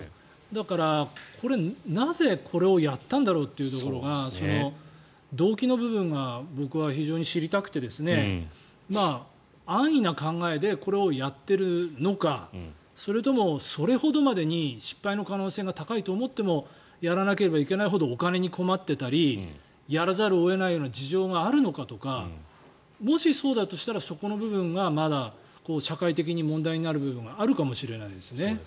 だから、なぜこれをやったんだろうってところが動機の部分が僕は非常に知りたくて安易な考えでこれをやっているのかそれとも、それほどまでに失敗の可能性が高いと思ってもやらなければいけないほどお金に困っていたりやらざるを得ないような事情があるのかとかもし、そうだとしたらそこの部分がまだ社会的に問題になる部分があるかもしれないですね。